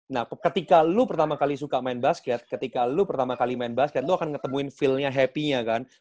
nah ketika lu pertama kali suka main basket ketika lo pertama kali main basket lu akan ngetemuin feelnya happy nya kan